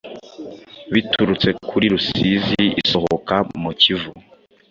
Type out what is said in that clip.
biturutse kuri Rusizi isohoka mu Kivu.